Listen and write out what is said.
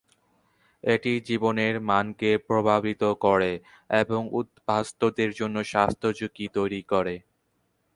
এটি জীবনের মানকে প্রভাবিত করে এবং উদ্বাস্তুদের জন্য স্বাস্থ্য ঝুঁকি তৈরি করে।